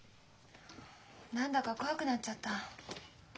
何だか怖くなっちゃった。